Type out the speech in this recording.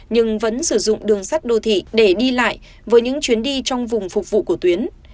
nhưng vẫn sử dụng đường sắt đô thị để đi lại với những chuyến đi trong vùng phục vụ của tuyến